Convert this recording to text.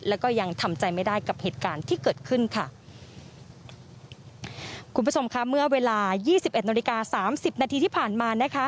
แล้วก็ยังทำใจไม่ได้กับเหตุการณ์ที่เกิดขึ้นค่ะคุณผู้ชมค่ะเมื่อเวลายี่สิบเอ็ดนาฬิกาสามสิบนาทีที่ผ่านมานะคะ